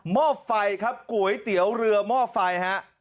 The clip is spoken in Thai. มอบไฟครับก๋วยเตี๋ยวเรือมอบไฟ